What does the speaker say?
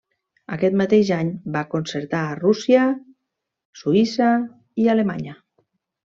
Aquest mateix any, va concertar a Rússia, Suïssa i Alemanya.